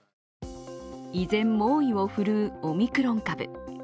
依然、猛威を振るうオミクロン株。